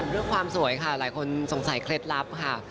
เรื่องความสวยค่ะหลายคนสงสัยเคล็ดลับค่ะ